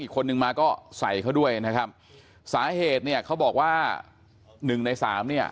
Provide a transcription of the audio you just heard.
อีกคนนึงมาก็ใส่เขาด้วยนะครับสาเหตุเนี่ยเขาบอกว่าหนึ่งในสามเนี่ย